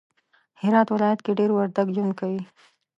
هرات ولایت کی دیر وردگ ژوند کوی